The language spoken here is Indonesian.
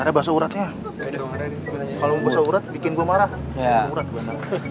kalau mumpus lo urut bikin gue marah